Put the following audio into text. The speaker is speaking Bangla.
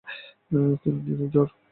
তিন দিনের জ্বর।